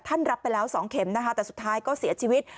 รับไปแล้ว๒เข็มนะคะแต่สุดท้ายก็เสียชีวิต